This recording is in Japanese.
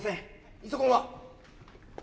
イソコンは？